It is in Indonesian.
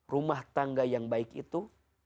rumah tangga yang baik itu